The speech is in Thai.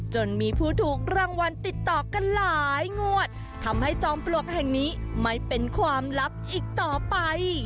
จนมีผู้ถูกรางวัลติดต่อกันหลายงวดทำให้จอมปลวกแห่งนี้ไม่เป็นความลับอีกต่อไป